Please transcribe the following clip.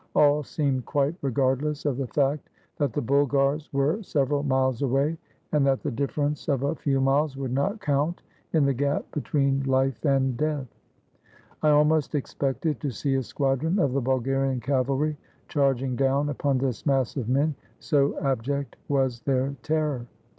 All seemed quite regardless of the fact that the Bulgars were several miles away, and that the difference of a few miles would not count in the gap between life and death. I almost expected to see a squadron of the Bulgarian cavalry charging down upon this mass of men, so abject was their terror.